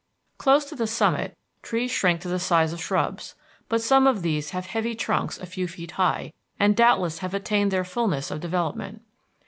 Close to the summit trees shrink to the size of shrubs, but some of these have heavy trunks a few feet high, and doubtless have attained their fulness of development.